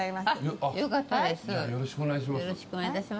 よろしくお願いします。